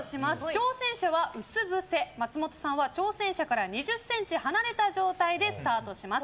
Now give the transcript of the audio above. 挑戦者は、うつぶせ松本さんは挑戦者から２０ｃｍ離れた状態でスタートします。